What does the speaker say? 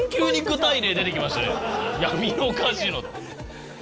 闇のカジノ！？